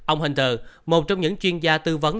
ông hunter một trong những chuyên gia tư vấn